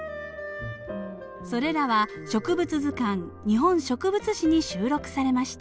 それらは植物図鑑「日本植物誌」に収録されました。